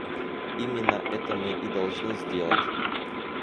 Именно это мы и должны сделать.